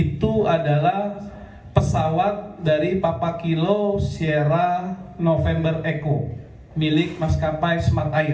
itu adalah pesawat dari papa kilo sierra november eco milik maskapai smart air